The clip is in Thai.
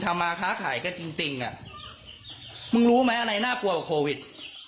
มาค้าขายก็จริงจริงอ่ะมึงรู้ไหมอะไรน่ากลัวกว่าโควิด